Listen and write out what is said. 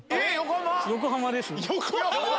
横浜です。